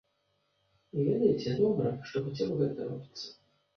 І ведаеце, добра, што хаця б гэта робіцца.